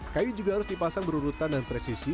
kayu juga harus dipasang berurutan dan presisi